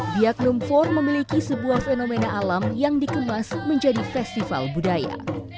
biak numfor memiliki sebuah fenomena alam yang dikemas menjadi festival budaya